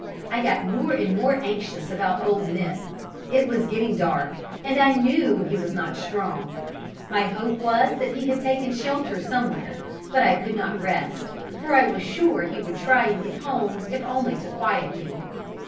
I got more and more anxious about old Nip. It was getting dark, and I knew he was not strong. My hope was that he had taken shelter somewhere; but I could not rest, for I was sure he would try and get home, if only to quiet me.